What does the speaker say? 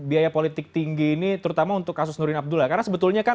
biaya politik tinggi ini terutama untuk kasus nurin abdullah karena sebetulnya kan